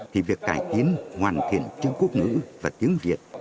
thì việc cải tiến hoàn thiện chữ quốc ngữ và tiếng việt